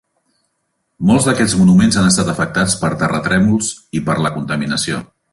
Molts d'aquests monuments han estat afectats per terratrèmols i per la contaminació.